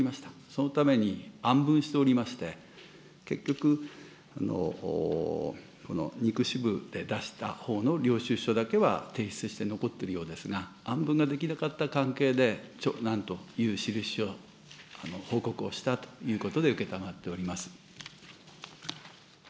そのために、案分しておりまして、結局、２区支部で出したほうの領収書だけは提出して残っているようですが、案文ができなかった関係で、ちょうなんという印を、報告をしたということで承っております。